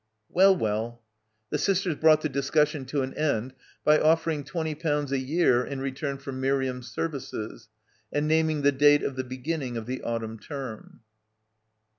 "Well, well." The sisters brought the discussion to an end by offering twenty pounds a year in return for Miriam's services, and naming the date of the beginning of the autumn term.